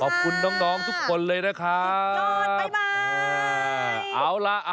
ขอบคุณน้องทุกคนเลยนะคะสุดยอดบ๊ายบาย